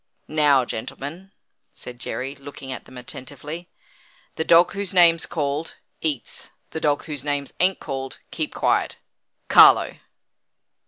"Now, gentlemen," said Jerry, looking at them attentively: "The dog whose name's called, eats. The dogs whose names an't called, keep quiet. Carlo."